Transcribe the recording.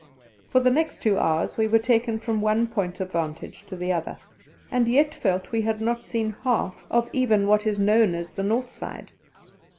For the next two hours we were taken from one point of vantage to the other, and yet felt we had not seen half of even what is known as the north side.